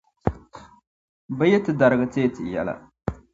Bɛ yi ti darigi teei ti yɛla.